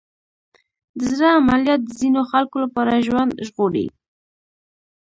د زړه عملیات د ځینو خلکو لپاره ژوند ژغوري.